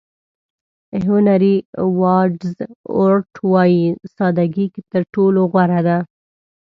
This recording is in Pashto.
هېنري واډز اورت وایي ساده ګي تر ټولو غوره ده.